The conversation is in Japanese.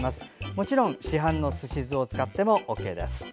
もちろん市販のすし酢を使ってもＯＫです。